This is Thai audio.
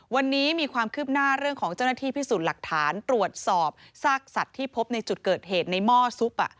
วันนี้มีความคืบหน้าเรื่องของเจ้าหน้าที่พิสูจน์หลักฐานตรวจสอบซากสัตว์ที่พบในจุดเกิดเหตุในหม้อซุป